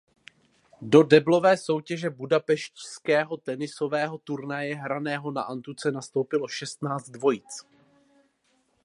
Do deblové soutěže budapešťského tenisového turnaje hraného na antuce nastoupilo šestnáct dvojic.